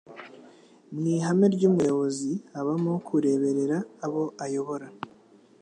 Mwihame ry'umuyobozi habamo kureberera abo ayobora